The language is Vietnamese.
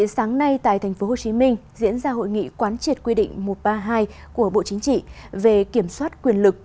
sáng nay tại tp hcm diễn ra hội nghị quán triệt quy định một trăm ba mươi hai của bộ chính trị về kiểm soát quyền lực